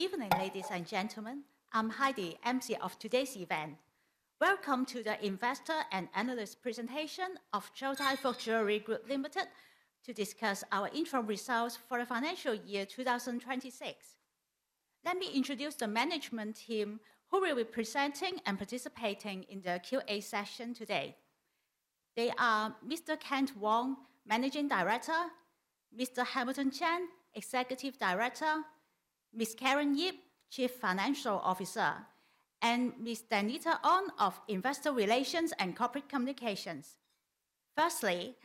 Evening, ladies and gentlemen. I'm Heidi, MC of today's event. Welcome to the Investor and Analyst Presentation of Chow Tai Fook Jewellery Group Limited to discuss our interim results for the financial year 2026. Let me introduce the management team who will be presenting and participating in the Q&A session today. They are Mr. Kent Wong, Managing Director; Mr. Hamilton Cheng, Executive Director; Ms. Karen Yih, Chief Financial Officer; and Ms. Danita On of Investor Relations and Corporate Communications. Firstly,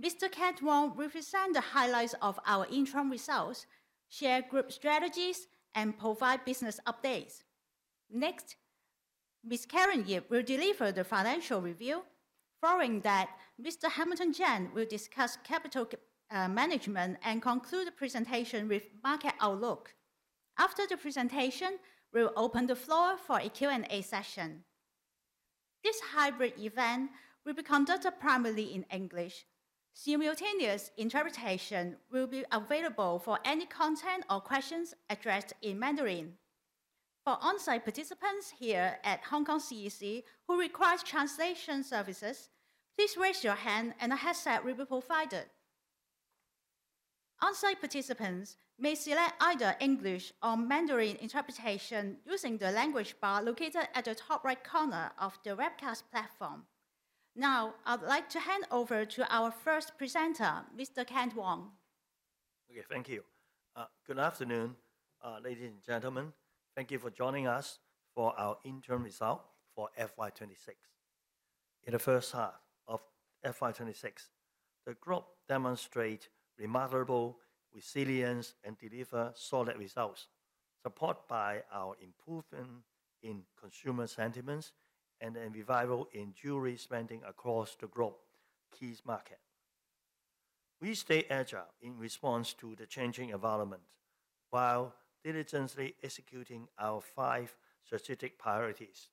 Mr. Kent Wong will present the highlights of our interim results, share group strategies, and provide business updates. Next, Ms. Karen Yih will deliver the financial review, following that Mr. Hamilton Cheng will discuss capital management and conclude the presentation with market outlook. After the presentation, we'll open the floor for a Q&A session. This hybrid event will be conducted primarily in English. Simultaneous interpretation will be available for any content or questions addressed in Mandarin. For on-site participants here at Hong Kong CEC who require translation services, please raise your hand, and a headset will be provided. On-site participants may select either English or Mandarin interpretation using the language bar located at the top right corner of the webcast platform. Now, I would like to hand over to our first presenter, Mr. Kent Wong. Okay, thank you. Good afternoon, ladies and gentlemen. Thank you for joining us for our interim result for FY2026. In the first half of FY2026, the group demonstrated remarkable resilience and delivered solid results, supported by our improvement in consumer sentiment and a revival in jewelry spending across the globe's key markets. We stayed agile in response to the changing environment while diligently executing our five strategic priorities: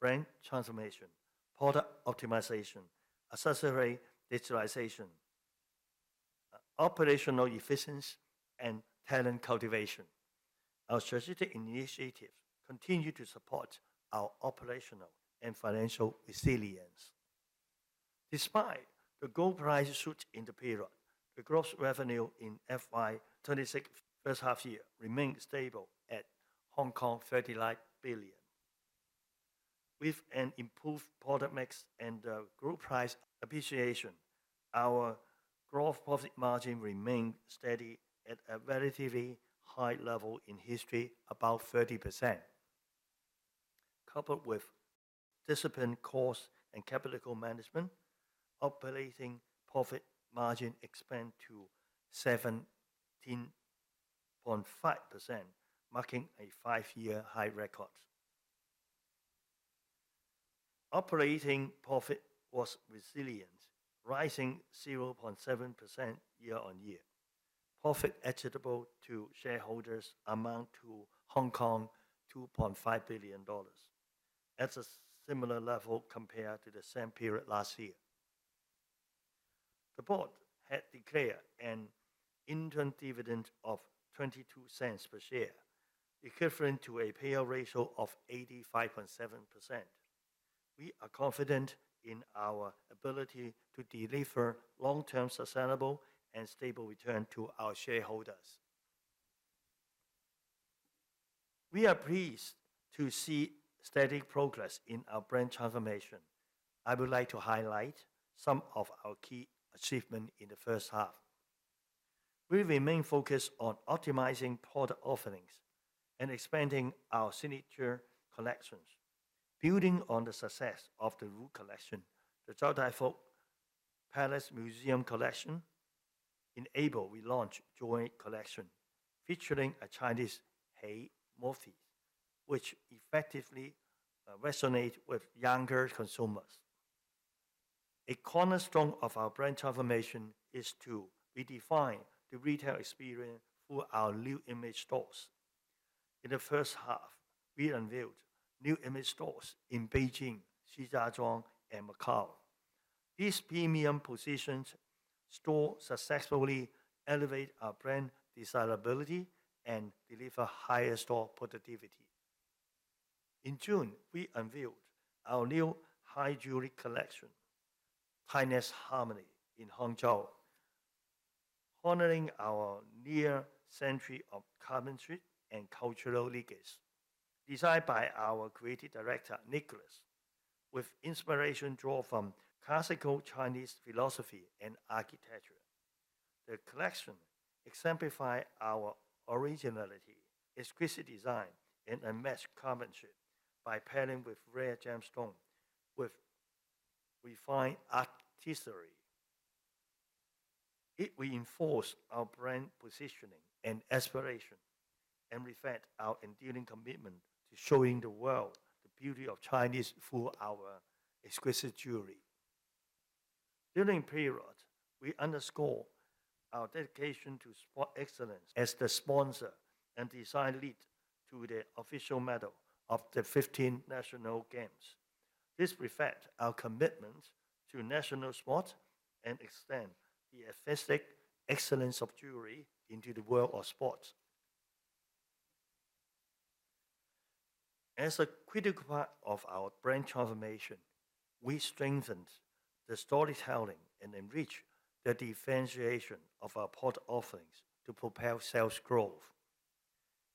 brand transformation, product optimization, accessory digitalization, operational efficiency, and talent cultivation. Our strategic initiatives continue to support our operational and financial resilience. Despite the gold price shoot in the period, the gross revenue in FY2026's first half year remained stable at 39 billion. With an improved product mix and the gold price appreciation, our gross profit margin remained steady at a relatively high level in history, about 30%. Coupled with disciplined cost and capital management, operating profit margin expanded to 17.5%, marking a five-year high record. Operating profit was resilient, rising 0.7% year-on-year. Profit attributable to shareholders amounted to 2.5 billion Hong Kong dollars, at a similar level compared to the same period last year. The board had declared an interim dividend of 0.22 per share, equivalent to a payout ratio of 85.7%. We are confident in our ability to deliver long-term sustainable and stable returns to our shareholders. We are pleased to see steady progress in our brand transformation. I would like to highlight some of our key achievements in the first half. We remain focused on optimizing product offerings and expanding our signature collections. Building on the success of the Rouge Collection, the Chow Tai Fook Palace Museum Collection enabled we launched a joint collection featuring a Chinese xǐ motif, which effectively resonated with younger consumers. A cornerstone of our brand transformation is to redefine the retail experience for our new image stores. In the first half, we unveiled new image stores in Beijing, Shijiazhuang, and Macau. These premium positioned stores successfully elevate our brand desirability and deliver higher store productivity. In June, we unveiled our new high jewelry collection, Timeless Harmony, in Hangzhou, honoring our near-century of craftsmanship and cultural legacy. Designed by our Creative Director, Nicholas, with inspiration drawn from classical Chinese philosophy and architecture, the collection exemplifies our originality, exquisite design, and unmatched craftsmanship by pairing rare gemstones with refined artistry. It reinforces our brand positioning and aspirations and reflects our enduring commitment to showing the world the beauty of Chinese through our exquisite jewelry. During the period, we underscored our dedication to sport excellence as the sponsor and design lead to the official medal of the 15th National Games. This reflects our commitment to national sports and extends the aesthetic excellence of jewelry into the world of sports. As a critical part of our brand transformation, we strengthened the storytelling and enriched the differentiation of our product offerings to propel sales growth.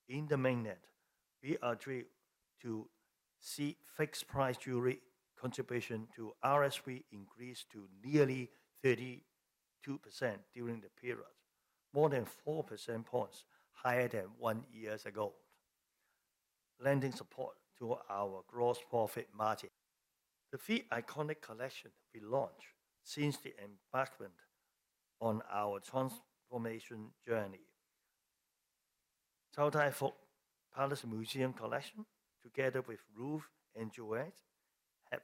In the mainland, we achieved fixed-price jewelry contribution to RSV increased to nearly 32% during the period, more than 4 percentage points higher than one year ago, lending support to our gross profit margin. The three iconic collections we launched since the embarkment on our transformation journey, Chow Tai Fook Palace Museum Collection, together with Rouge and JOIE, have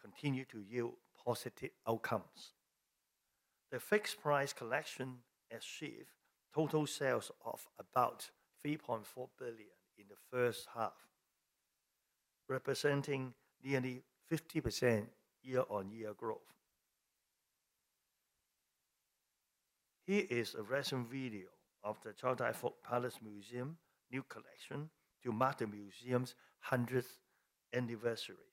continued to yield positive outcomes. The fixed-price collection achieved total sales of about HK$3.4 billion in the first half, representing nearly 50% year-on-year growth. Here is a recent video of the Chow Tai Fook Palace Museum new collection to mark the museum's 100th anniversary,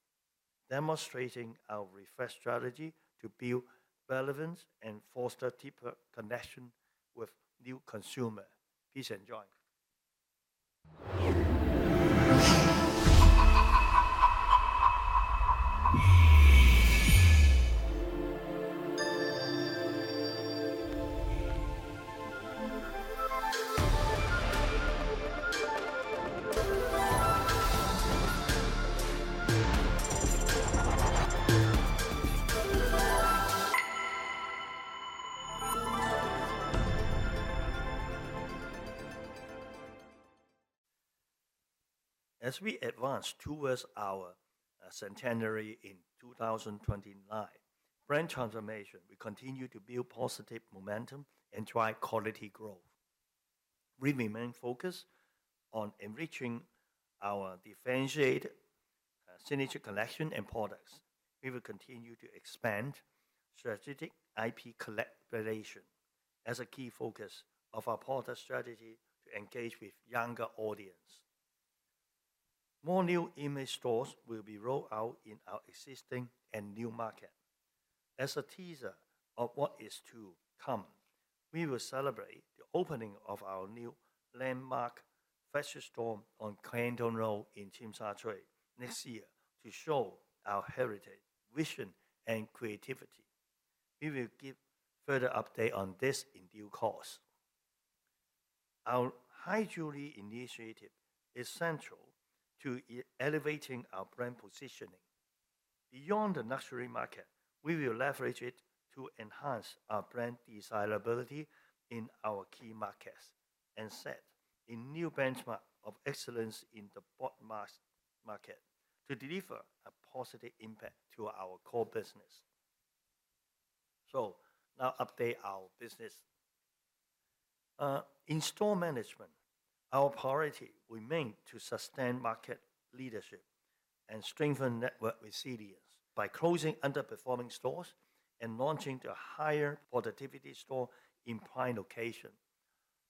demonstrating our refreshed strategy to build relevance and foster deeper connections with new consumers. Please enjoy. As we advance towards our centenary in 2029, brand transformation will continue to build positive momentum and drive quality growth. We remain focused on enriching our differentiated signature collection and products. We will continue to expand strategic IP collaboration as a key focus of our product strategy to engage with younger audiences. More new image stores will be rolled out in our existing and new market. As a teaser of what is to come, we will celebrate the opening of our new landmark fashion store on Canton Road in Tsim Sha Tsui next year to show our heritage, vision, and creativity. We will give further updates on this in due course. Our high jewelry initiative is central to elevating our brand positioning. Beyond the luxury market, we will leverage it to enhance our brand desirability in our key markets and set a new benchmark of excellence in the broad mass market to deliver a positive impact to our core business. Now, update our business. In store management, our priority remains to sustain market leadership and strengthen network resilience by closing underperforming stores and launching the higher productivity store in prime location.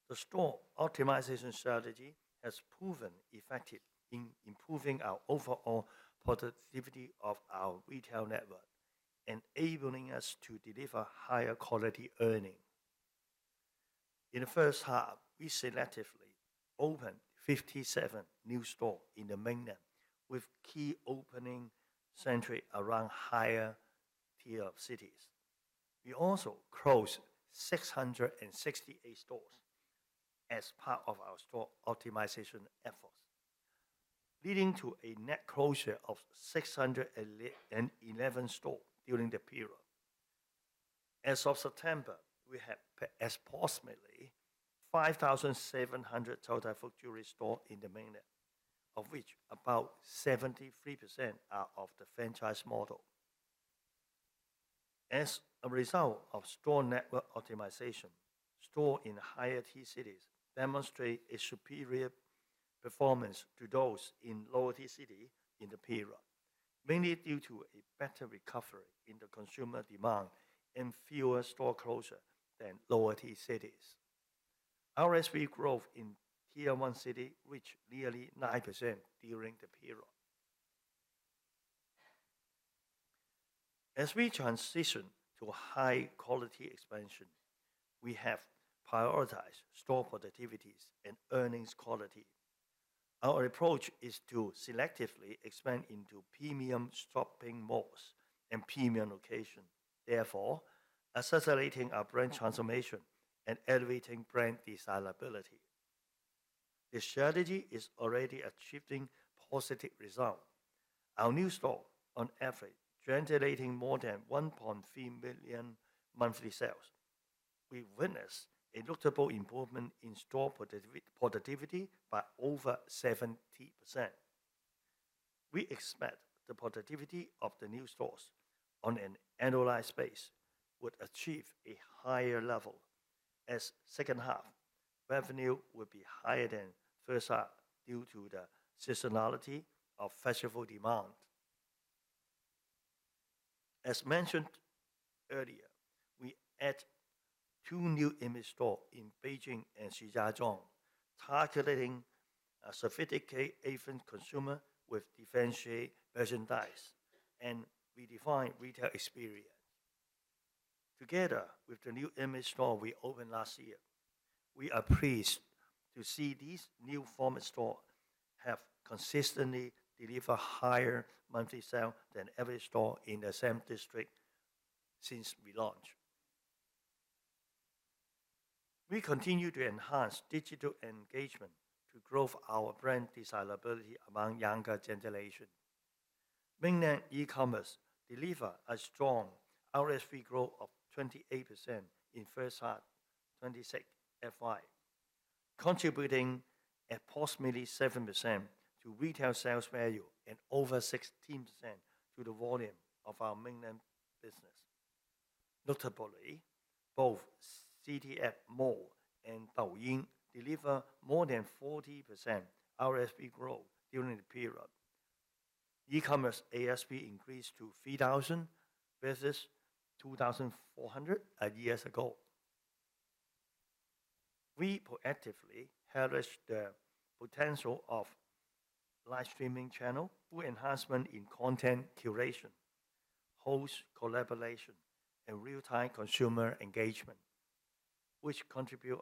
The store optimization strategy has proven effective in improving our overall productivity of our retail network, enabling us to deliver higher quality earnings. In the first half, we selectively opened 57 new stores in the mainland, with key opening centers around higher tier cities. We also closed 668 stores as part of our store optimization efforts, leading to a net closure of 611 stores during the period. As of September, we had approximately 5,700 Chow Tai Fook jewelry stores in the mainland, of which about 73% are of the franchise model. As a result of store network optimization, stores in higher tier cities demonstrated a superior performance to those in lower tier cities in the period, mainly due to a better recovery in consumer demand and fewer store closures than lower tier cities. RSV growth in tier one cities reached nearly 9% during the period. As we transition to high-quality expansion, we have prioritized store productivity and earnings quality. Our approach is to selectively expand into premium shopping malls and premium locations, therefore accelerating our brand transformation and elevating brand desirability. The strategy is already achieving positive results. Our new store on average generates more than HK$1.3 million monthly sales. We witnessed a notable improvement in store productivity by over 70%. We expect the productivity of the new stores on an annualized basis would achieve a higher level, as the second half revenue will be higher than the first half due to the seasonality of fashionable demand. As mentioned earlier, we added two new image stores in Beijing and Shijiazhuang, targeting a sophisticated affluent consumers with differentiated merchandise and redefined retail experience. Together with the new image stores we opened last year, we are pleased to see these new format stores have consistently delivered higher monthly sales than average stores in the same district since we launched. We continue to enhance digital engagement to grow our brand desirability among younger generation. Mainland e-commerce delivered a strong RSV growth of 28% in the first half of 2026 FY, contributing approximately 7% to retail sales value and over 16% to the volume of our mainland business. Notably, both CTF Mall and Douyin delivered more than 40% RSV growth during the period. E-commerce RSV increased to 3,000 versus 2,400 a year ago. We proactively harnessed the potential of live streaming channels, enhanced content curation, host collaboration, and real-time consumer engagement, which contributed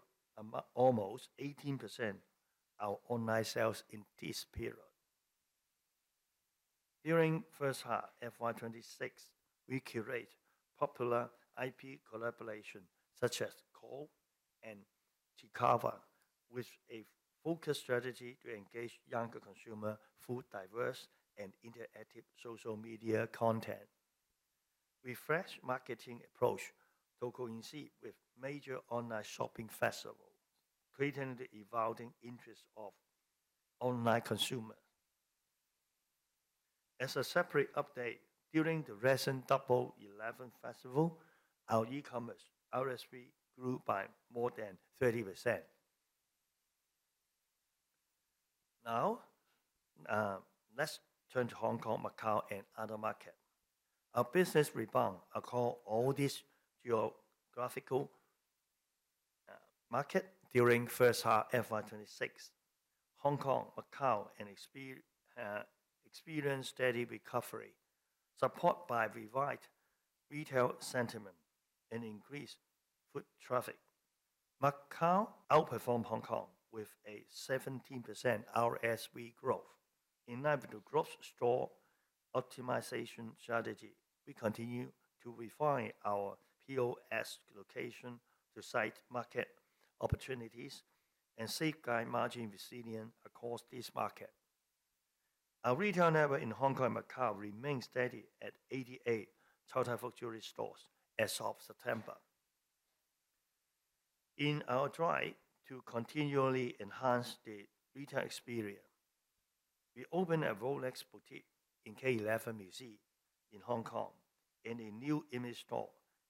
almost 18% of our online sales in this period. During the first half of FY2026, we curated popular IP collaborations such as CLOT and Chiikawa, with a focused strategy to engage younger consumers through diverse and interactive social media content, refreshed marketing approaches to coincide with major online shopping festivals, creating the evolving interests of online consumers. As a separate update, during the recent Double 11 Festival, our e-commerce RSV grew by more than 30%. Now, let's turn to Hong Kong, Macau, and other markets. Our business rebound according to all these geographical markets during the first half of FY2026. Hong Kong, Macau, and experienced steady recovery, supported by revived retail sentiment and increased foot traffic. Macau outperformed Hong Kong with a 17% RSV growth. In light of the gross store optimization strategy, we continue to refine our POS location to site market opportunities and safeguard margin resilience across these markets. Our retail network in Hong Kong and Macau remains steady at 88 Chow Tai Fook jewelry stores as of September. In our drive to continually enhance the retail experience, we opened a Rolex boutique in K11 MUSEA in Hong Kong, a new image store,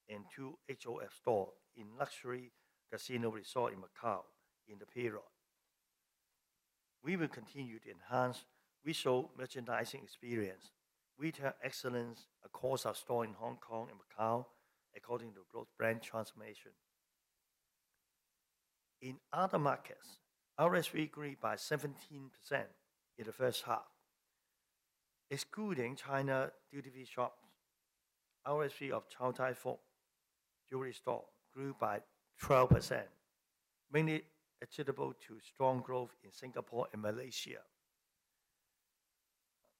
and two HOF stores in luxury casino resorts in Macau in the period. We will continue to enhance retail merchandising experience, retail excellence across our stores in Hong Kong and Macau according to growth brand transformation. In other markets, RSV grew by 17% in the first half. Excluding China's duty-free shops, RSV of Chow Tai Fook jewelry stores grew by 12%, mainly attributable to strong growth in Singapore and Malaysia.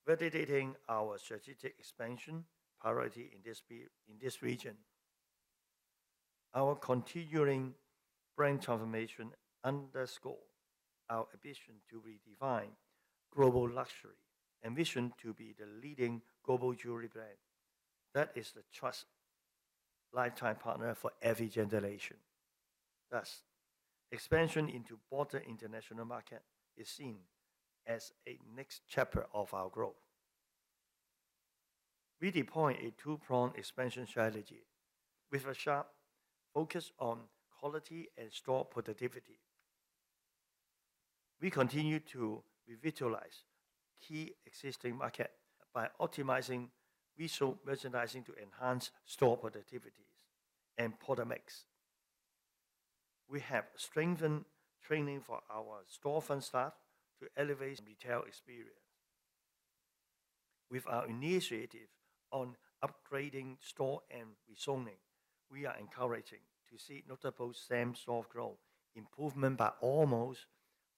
Validating our strategic expansion priority in this region, our continuing brand transformation underscores our ambition to redefine global luxury and vision to be the leading global jewelry brand that is the trusted lifetime partner for every generation. Thus, expansion into the broader international market is seen as a next chapter of our growth. We deployed a two-pronged expansion strategy with a sharp focus on quality and store productivity. We continue to revitalize key existing markets by optimizing retail merchandising to enhance store productivity and product mix. We have strengthened training for our store front staff to elevate retail experience. With our initiative on upgrading stores and rezoning, we are encouraged to see notable same-store growth improvement by almost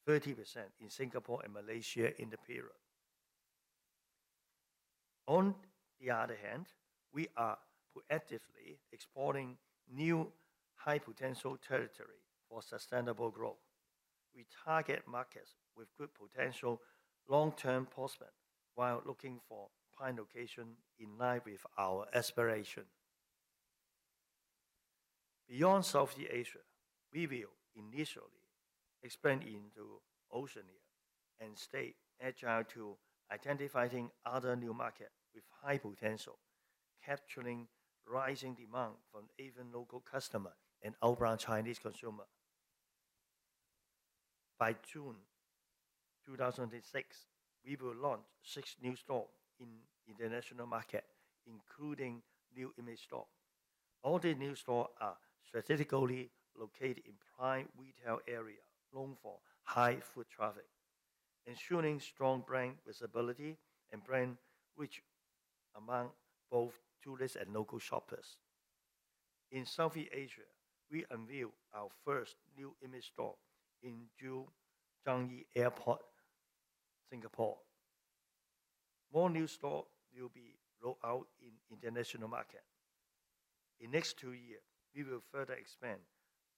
30% in Singapore and Malaysia in the period. On the other hand, we are proactively exploring new high-potential territories for sustainable growth. We target markets with good potential long-term placement while looking for prime locations in line with our aspirations. Beyond Southeast Asia, we will initially expand into Oceania and stay agile to identify other new markets with high potential, capturing rising demand from even local customers and outbound Chinese consumers. By June 2026, we will launch six new stores in the international market, including new image stores. All the new stores are strategically located in prime retail areas known for high foot traffic, ensuring strong brand visibility and brand reach among both tourists and local shoppers. In Southeast Asia, we unveiled our first new image store in Changi Airport, Singapore. More new stores will be rolled out in the international market. In the next two years, we will further expand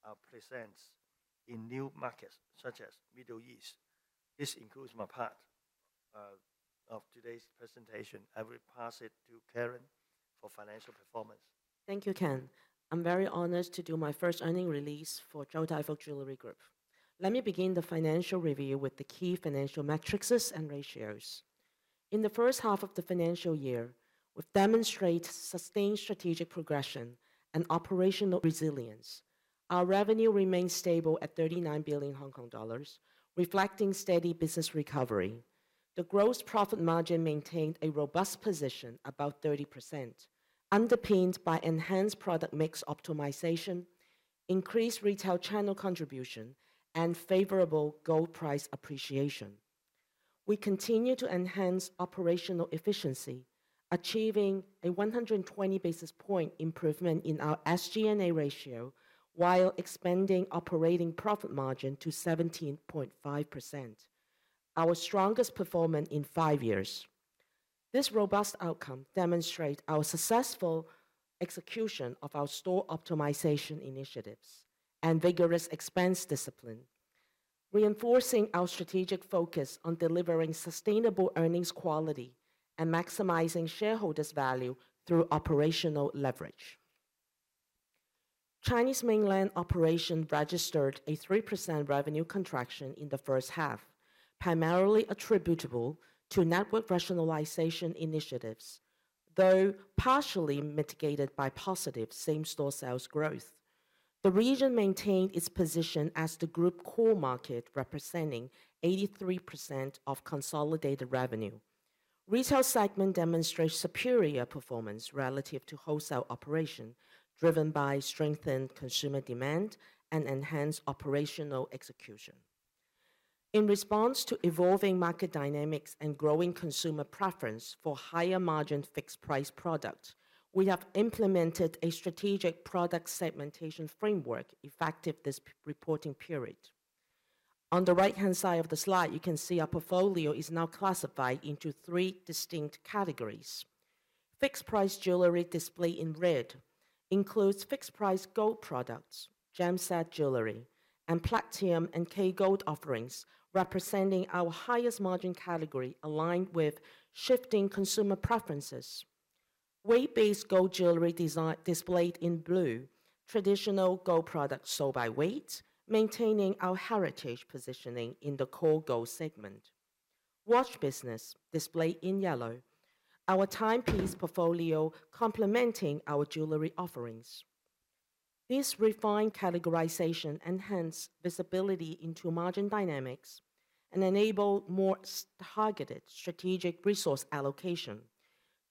our presence in new markets such as the Middle East. This concludes my part of today's presentation. I will pass it to Karen for financial performance. Thank you, Kent. I'm very honored to do my first earnings release for Chow Tai Fook Jewellery Group. Let me begin the financial review with the key financial metrics and ratios. In the first half of the financial year, we've demonstrated sustained strategic progression and operational resilience. Our revenue remained stable at 39 billion Hong Kong dollars, reflecting steady business recovery. The gross profit margin maintained a robust position, about 30%, underpinned by enhanced product mix optimization, increased retail channel contribution, and favorable gold price appreciation. We continue to enhance operational efficiency, achieving a 120 basis point improvement in our SG&A ratio while expanding operating profit margin to 17.5%. Our strongest performance in five years. This robust outcome demonstrates our successful execution of our store optimization initiatives and vigorous expense discipline, reinforcing our strategic focus on delivering sustainable earnings quality and maximizing shareholders' value through operational leverage. Chinese mainland operations registered a 3% revenue contraction in the first half, primarily attributable to network rationalization initiatives, though partially mitigated by positive same-store sales growth. The region maintained its position as the group's core market, representing 83% of consolidated revenue. The retail segment demonstrated superior performance relative to wholesale operations, driven by strengthened consumer demand and enhanced operational execution. In response to evolving market dynamics and growing consumer preference for higher-margin fixed-price products, we have implemented a strategic product segmentation framework effective this reporting period. On the right-hand side of the slide, you can see our portfolio is now classified into three distinct categories. Fixed-price jewelry, displayed in red, includes fixed-price gold products, gem-set jewelry, and platinum and K-gold offerings, representing our highest-margin category aligned with shifting consumer preferences. Weight-based gold jewelry, displayed in blue, shows traditional gold products sold by weight, maintaining our heritage positioning in the core gold segment. Watch business, displayed in yellow, shows our timepiece portfolio, complementing our jewelry offerings. This refined categorization enhances visibility into margin dynamics and enables more targeted strategic resource allocation,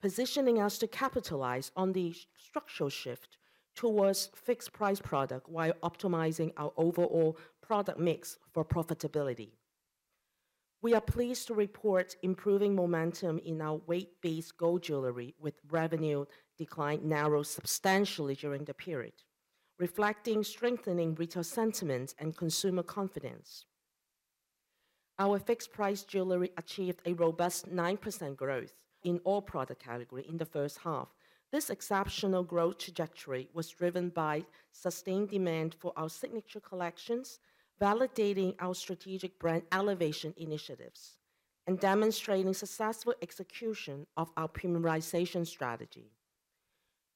positioning us to capitalize on the structural shift towards fixed-price products while optimizing our overall product mix for profitability. We are pleased to report improving momentum in our weight-based gold jewelry, with revenue decline narrowed substantially during the period, reflecting strengthening retail sentiment and consumer confidence. Our fixed-price jewelry achieved a robust 9% growth in all product categories in the first half. This exceptional growth trajectory was driven by sustained demand for our signature collections, validating our strategic brand elevation initiatives and demonstrating successful execution of our premiumization strategy.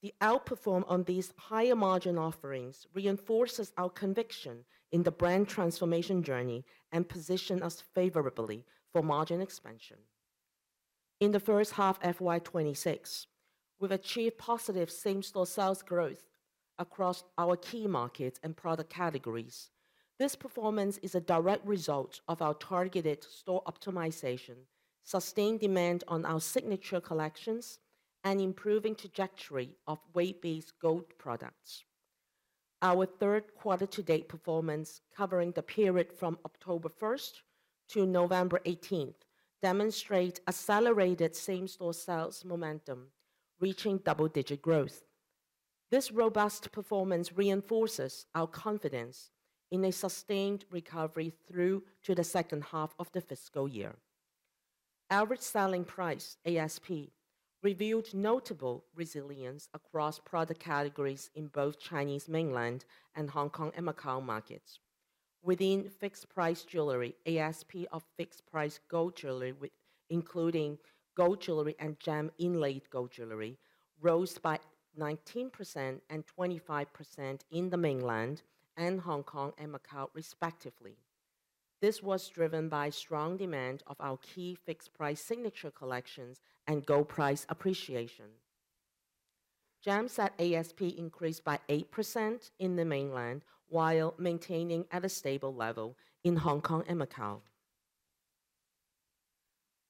The outperformance on these higher-margin offerings reinforces our conviction in the brand transformation journey and positions us favorably for margin expansion. In the first half of FY2026, we've achieved positive same-store sales growth across our key markets and product categories. This performance is a direct result of our targeted store optimization, sustained demand on our signature collections, and improving trajectory of weight-based gold products. Our third quarter-to-date performance, covering the period from October 1st to November 18th, demonstrates accelerated same-store sales momentum, reaching double-digit growth. This robust performance reinforces our confidence in a sustained recovery through to the second half of the fiscal year. Average selling price (ASP) revealed notable resilience across product categories in both Chinese mainland and Hong Kong and Macau markets. Within fixed-price jewelry, ASP of fixed-price gold jewelry, including gold jewelry and gem-inlaid gold jewelry, rose by 19% and 25% in the mainland and Hong Kong and Macau, respectively. This was driven by strong demand for our key fixed-price signature collections and gold price appreciation. Gem-set ASP increased by 8% in the mainland, while maintaining at a stable level in Hong Kong and Macau.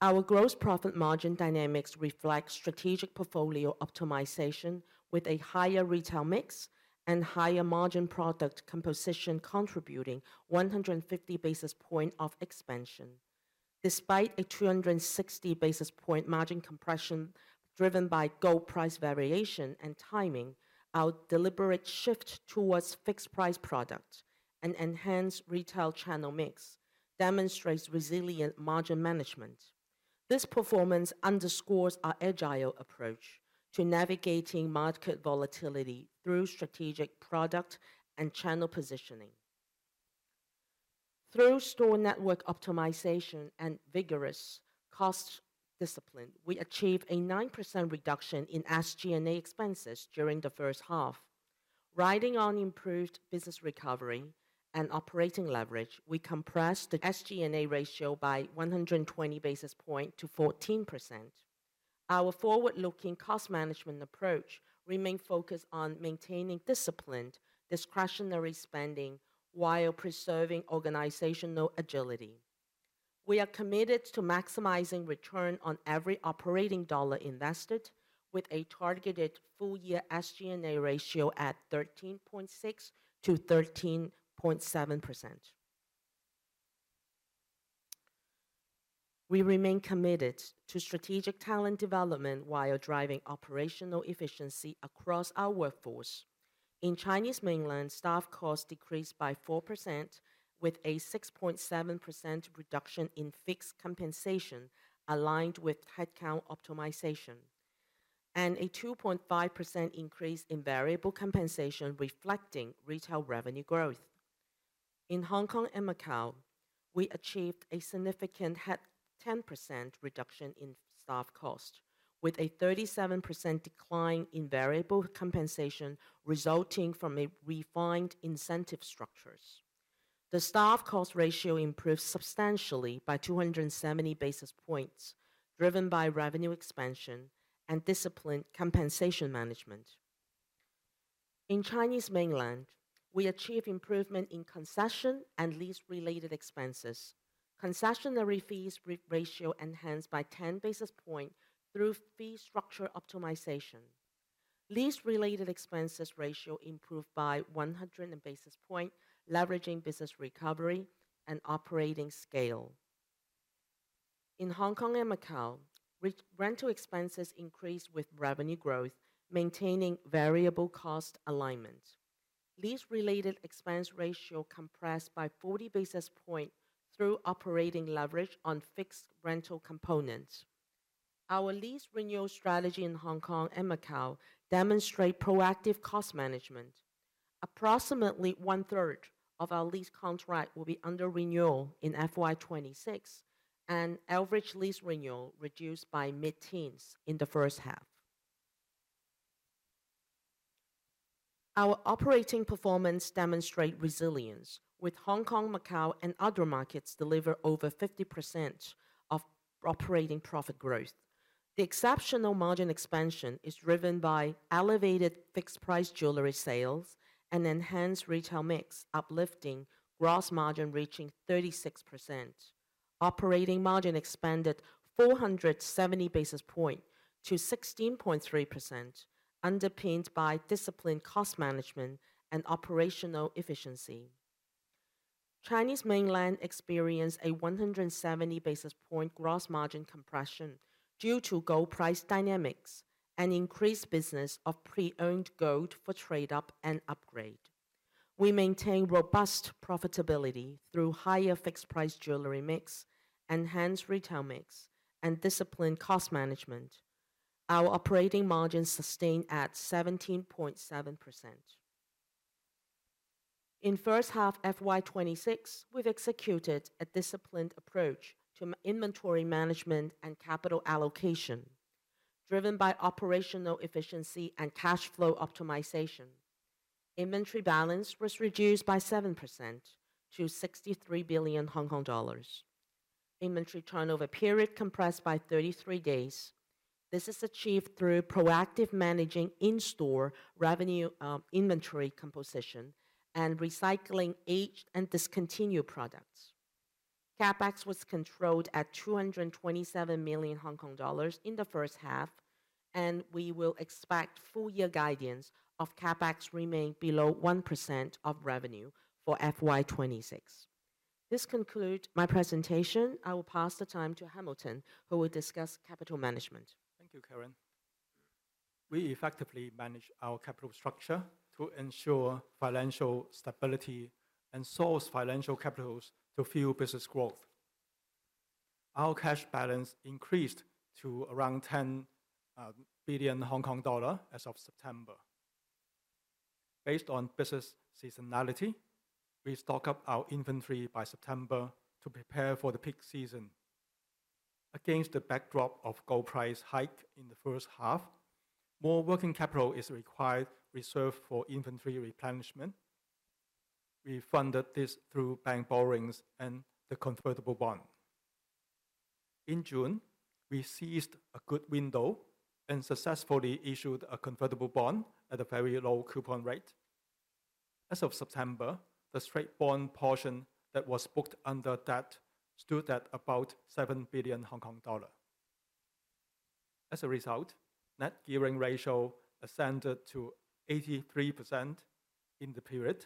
Our gross profit margin dynamics reflect strategic portfolio optimization, with a higher retail mix and higher margin product composition contributing 150 basis points of expansion. Despite a 260 basis point margin compression driven by gold price variation and timing, our deliberate shift towards fixed-price products and enhanced retail channel mix demonstrates resilient margin management. This performance underscores our agile approach to navigating market volatility through strategic product and channel positioning. Through store network optimization and vigorous cost discipline, we achieved a 9% reduction in SG&A expenses during the first half. Riding on improved business recovery and operating leverage, we compressed the SG&A ratio by 120 basis points to 14%. Our forward-looking cost management approach remains focused on maintaining disciplined discretionary spending while preserving organizational agility. We are committed to maximizing return on every operating dollar invested, with a targeted full-year SG&A ratio at 13.6%-13.7%. We remain committed to strategic talent development while driving operational efficiency across our workforce. In Chinese mainland, staff costs decreased by 4%, with a 6.7% reduction in fixed compensation aligned with headcount optimization, and a 2.5% increase in variable compensation reflecting retail revenue growth. In Hong Kong and Macau, we achieved a significant 10% reduction in staff costs, with a 37% decline in variable compensation resulting from refined incentive structures. The staff cost ratio improved substantially by 270 basis points, driven by revenue expansion and disciplined compensation management. In Chinese mainland, we achieved improvement in concession and lease-related expenses. Concessionary fees ratio enhanced by 10 basis points through fee structure optimization. Lease-related expenses ratio improved by 100 basis points, leveraging business recovery and operating scale. In Hong Kong and Macau, rental expenses increased with revenue growth, maintaining variable cost alignment. Lease-related expense ratio compressed by 40 basis points through operating leverage on fixed rental components. Our lease renewal strategy in Hong Kong and Macau demonstrates proactive cost management. Approximately 1/3 of our lease contracts will be under renewal in FY2026, and average lease renewal reduced by mid-teens in the first half. Our operating performance demonstrates resilience, with Hong Kong, Macau, and other markets delivering over 50% of operating profit growth. The exceptional margin expansion is driven by elevated fixed-price jewelry sales and enhanced retail mix, uplifting gross margin reaching 36%. Operating margin expanded 470 basis points to 16.3%, underpinned by disciplined cost management and operational efficiency. Chinese mainland experienced a 170 basis point gross margin compression due to gold price dynamics and increased business of pre-owned gold for trade-up and upgrade. We maintain robust profitability through higher fixed-price jewelry mix, enhanced retail mix, and disciplined cost management. Our operating margin sustained at 17.7%. In the first half of FY2026, we've executed a disciplined approach to inventory management and capital allocation, driven by operational efficiency and cash flow optimization. Inventory balance was reduced by 7% to 63 billion Hong Kong dollars. Inventory turnover period compressed by 33 days. This is achieved through proactive managing in-store revenue inventory composition and recycling aged and discontinued products. CapEx was controlled at 227 million Hong Kong dollars in the first half, and we will expect full-year guidance of CapEx remaining below 1% of revenue for FY 2026. This concludes my presentation. I will pass the time to Hamilton, who will discuss capital management. Thank you, Karen. We effectively manage our capital structure to ensure financial stability and source financial capitals to fuel business growth. Our cash balance increased to around 10 billion Hong Kong dollar as of September. Based on business seasonality, we stocked up our inventory by September to prepare for the peak season. Against the backdrop of gold price hike in the first half, more working capital is required reserved for inventory replenishment. We funded this through bank borrowings and the convertible bond. In June, we seized a good window and successfully issued a convertible bond at a very low coupon rate. As of September, the straight-bond portion that was booked under debt stood at about 7 billion Hong Kong dollars. As a result, net gearing ratio ascended to 83% in the period.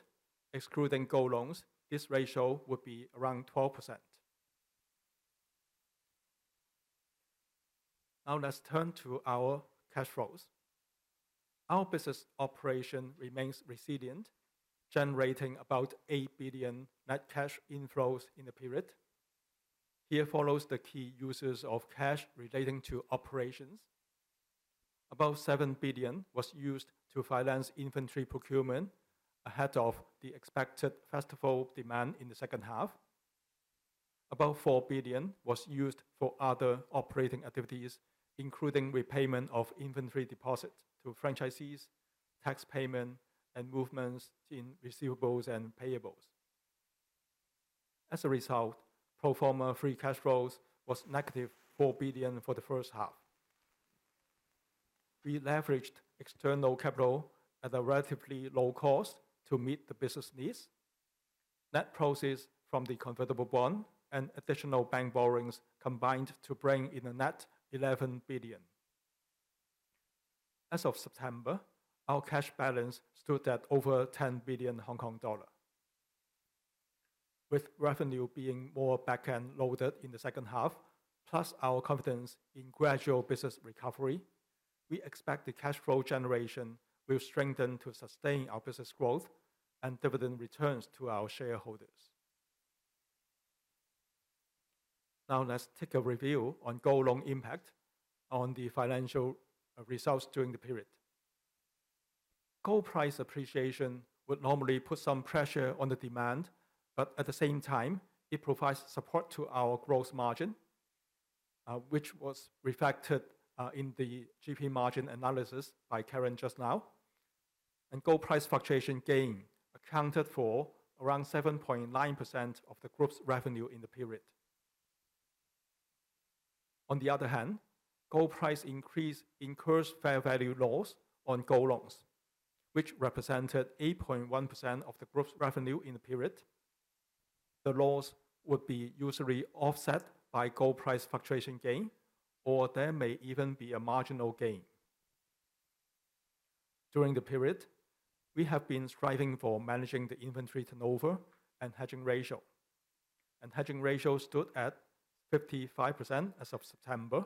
Excluding gold loans, this ratio would be around 12%. Now let's turn to our cash flows. Our business operation remains resilient, generating about 8 billion net cash inflows in the period. Here follows the key uses of cash relating to operations. About 7 billion was used to finance inventory procurement ahead of the expected festival demand in the second half. About 4 billion was used for other operating activities, including repayment of inventory deposits to franchisees, tax payment, and movements in receivables and payables. As a result, pro forma free cash flows was -4 billion for the first half. We leveraged external capital at a relatively low cost to meet the business needs. Net proceeds from the convertible bond and additional bank borrowings combined to bring in a net 11 billion. As of September, our cash balance stood at over 10 billion Hong Kong dollar. With revenue being more back-end loaded in the second half, plus our confidence in gradual business recovery, we expect the cash flow generation will strengthen to sustain our business growth and dividend returns to our shareholders. Now let's take a review on gold loan impact on the financial results during the period. Gold price appreciation would normally put some pressure on the demand, but at the same time, it provides support to our gross margin, which was reflected in the gross profit margin analysis by Karen just now. Gold price fluctuation gain accounted for around 7.9% of the group's revenue in the period. On the other hand, gold price increase incurs fair value loss on gold loans, which represented 8.1% of the group's revenue in the period. The loss would be usually offset by gold price fluctuation gain, or there may even be a marginal gain. During the period, we have been striving for managing the inventory turnover and hedging ratio. Hedging ratio stood at 55% as of September.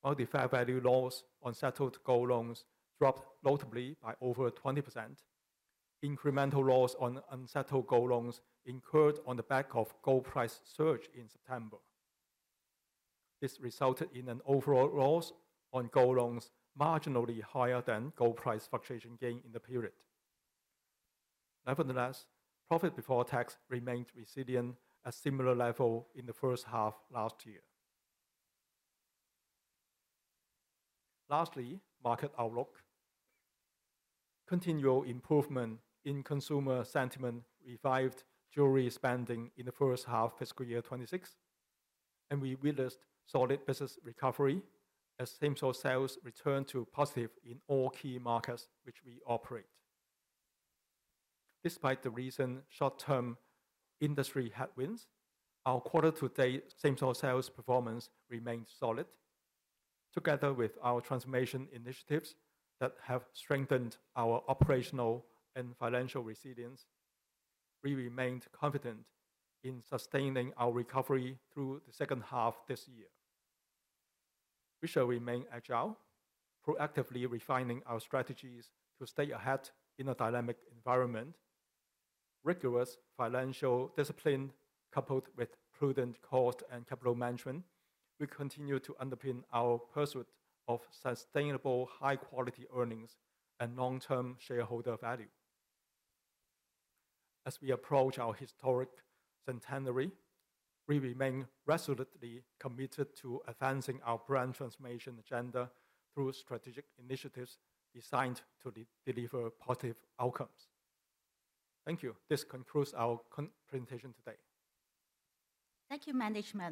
While the fair value loss on settled gold loans dropped notably by over 20%, incremental loss on unsettled gold loans incurred on the back of gold price surge in September. This resulted in an overall loss on gold loans marginally higher than gold price fluctuation gain in the period. Nevertheless, profit before tax remained resilient at similar level in the first half last year. Lastly, market outlook. Continual improvement in consumer sentiment revived jewelry spending in the first half of fiscal year 2026, and we witnessed solid business recovery as same-store sales returned to positive in all key markets which we operate. Despite the recent short-term industry headwinds, our quarter-to-date same-store sales performance remained solid. Together with our transformation initiatives that have strengthened our operational and financial resilience, we remained confident in sustaining our recovery through the second half this year. We shall remain agile, proactively refining our strategies to stay ahead in a dynamic environment. Rigorous financial discipline coupled with prudent cost and capital management will continue to underpin our pursuit of sustainable high-quality earnings and long-term shareholder value. As we approach our historic centenary, we remain resolutely committed to advancing our brand transformation agenda through strategic initiatives designed to deliver positive outcomes. Thank you. This concludes our presentation today. Thank you, Management.